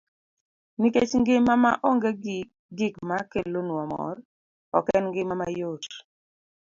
Nikech ngima ma onge gi gik ma kelonwa mor, ok en ngima mayot.